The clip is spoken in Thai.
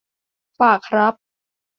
ฝากครับ